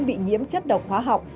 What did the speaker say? bị nhiễm chất độc hóa học